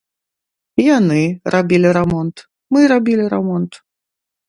Яны рабілі рамонт, мы рабілі рамонт.